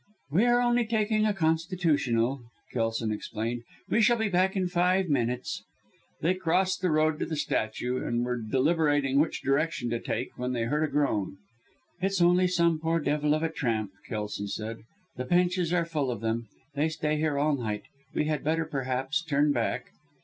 "We are only taking a constitutional," Kelson explained. "We shall be back in five minutes." They crossed the road to the statue, and were deliberating which direction to take, when they heard a groan. "It's only some poor devil of a tramp," Kelson said. "The benches are full of them they stay here all night. We had better, perhaps, turn back."